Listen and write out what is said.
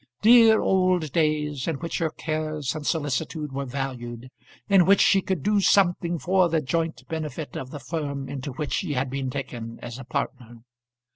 Dear old days, in which her cares and solicitude were valued; in which she could do something for the joint benefit of the firm into which she had been taken as a partner!